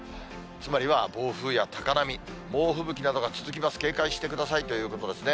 つまりは暴風や高波、猛吹雪などが続きます、警戒してくださいということですね。